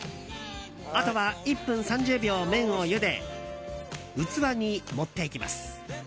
あとは１分３０秒、麺をゆで器に盛っていきます。